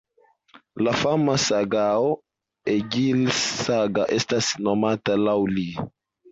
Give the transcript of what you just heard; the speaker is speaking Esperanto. La fama sagao Egils-Saga estas nomata laŭ li.